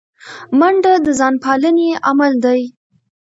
منډه د ځان پالنې عمل دی